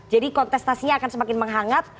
jadi kontestasinya akan semakin menghangat